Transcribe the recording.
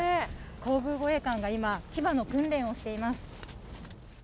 皇宮護衛官が今、騎馬の訓練をしています。